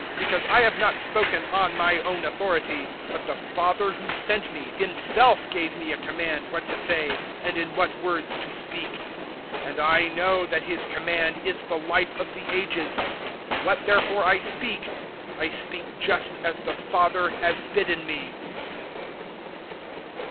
012:049 Because I have not spoken on my own authority; but the Father who sent me, Himself gave me a command what to say and in what words to speak. 012:050 And I know that His command is the Life of the Ages. What therefore I speak, I speak just as the Father has bidden me."